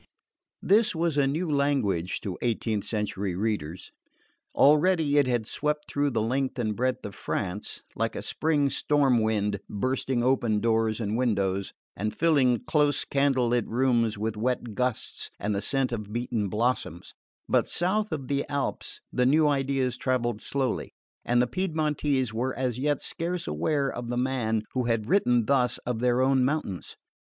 This was a new language to eighteenth century readers. Already it had swept through the length and breadth of France, like a spring storm wind bursting open doors and windows, and filling close candle lit rooms with wet gusts and the scent of beaten blossoms; but south of the Alps the new ideas travelled slowly, and the Piedmontese were as yet scarce aware of the man who had written thus of their own mountains.